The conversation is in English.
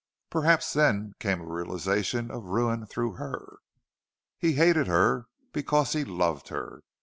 Perhaps then came a realization of ruin through her. He hated her because he loved her.